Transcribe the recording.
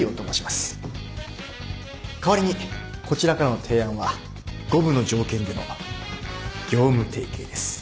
代わりにこちらからの提案は五分の条件での業務提携です。